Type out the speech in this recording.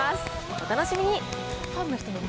お楽しみに。